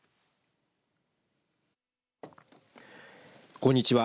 こんにちは。